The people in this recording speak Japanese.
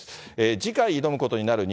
次回挑むことになる２